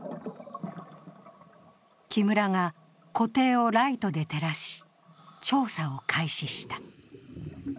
木村が湖底をライトで照らし、調査を開始した。